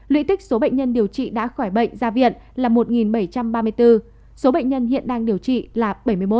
lũy tích số bệnh nhân điều trị đã khỏi bệnh ra viện là một bảy trăm ba mươi bốn số bệnh nhân hiện đang điều trị là bảy mươi một